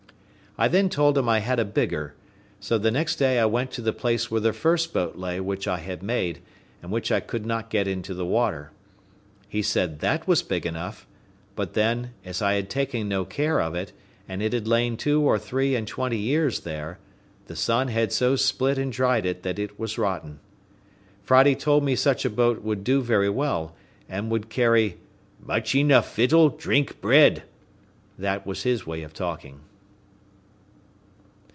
I then told him I had a bigger; so the next day I went to the place where the first boat lay which I had made, but which I could not get into the water. He said that was big enough; but then, as I had taken no care of it, and it had lain two or three and twenty years there, the sun had so split and dried it, that it was rotten. Friday told me such a boat would do very well, and would carry "much enough vittle, drink, bread;" this was his way of talking.